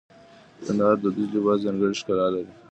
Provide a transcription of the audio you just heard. د کندهار دودیز لباس ځانګړی ښکلا لري.